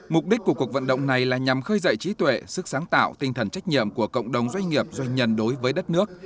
mục đích của cuộc vận động này là nhằm khơi dậy trí tuệ sức sáng tạo tinh thần trách nhiệm của cộng đồng doanh nghiệp doanh nhân đối với đất nước